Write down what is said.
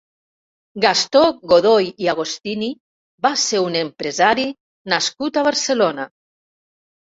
Gastó Godoy i Agostini va ser un empresari nascut a Barcelona.